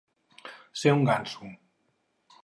Ser un ganso.